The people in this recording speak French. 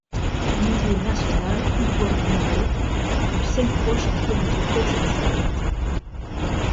Au niveau national, Yvonne Murray fut cinq fois championne d'Écosse en salle.